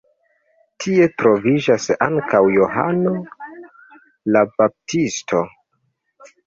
Tie troviĝas ankaŭ Johano la Baptisto.